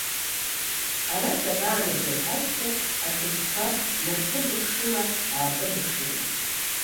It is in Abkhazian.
Ара сабаанагеи лҳәазшәа аҭыӡқәа днаркыдыԥшыла-ааркыдыԥшылеит.